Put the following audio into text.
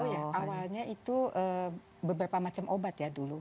oh ya awalnya itu beberapa macam obat ya dulu